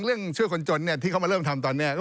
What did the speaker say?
เรื่องชื่อคนจนที่เขามาเริ่มทำตอนนี้